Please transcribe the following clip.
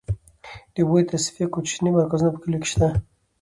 د اوبو د تصفیې کوچني مرکزونه په کليو کې شته.